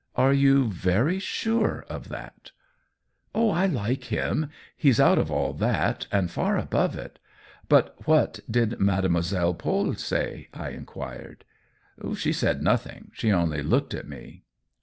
" Are you very sure of that ?"" Oh, I like him ! He's out of all that, COLLABORATION I2I and far above it. But what did Mademoi selle Paule say ?" I inquired. " She said nothing — she only looked at me."